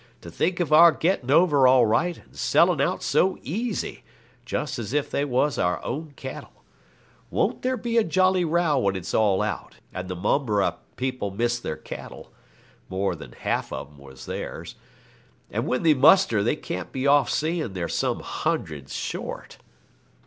To think of our getting over all right, and selling out so easy, just as if they was our own cattle. Won't there be a jolly row when it's all out, and the Momberah people miss their cattle?' (more than half 'em was theirs). 'And when they muster they can't be off seein' they're some hundreds short.'